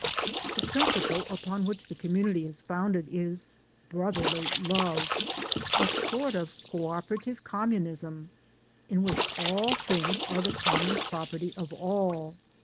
The principle upon which the community is founded is "Brotherly Love," a sort of co operative communism, in which all things are the common property of all.